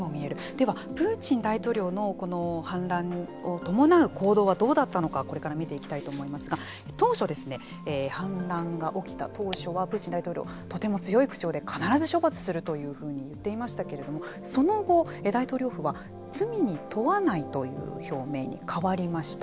では、プーチン大統領のこの反乱を伴う行動はどうだったのかこれから見ていきたいと思うんですが当初ですね反乱が起きた当初はプーチン大統領とても強い口調で必ず処罰するというふうに言っていましたけれどもそのあと大統領府は罪に問わないという表明に変わりました。